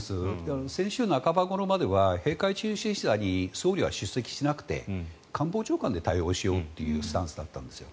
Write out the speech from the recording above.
先週半ばまでは閉会中審査に総理は出席しなくて官房長官で対応しようというスタンスだったんです。